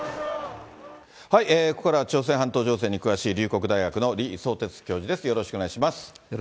ここからは朝鮮半島情勢に詳しい龍谷大学の李相哲教授です。